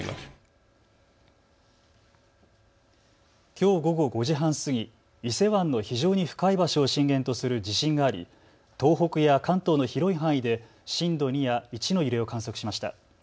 きょう午後５時半過ぎ、伊勢湾の非常に深い場所を震源とする地震があり東北や関東の広い範囲で震度２や１の揺れを観測しました。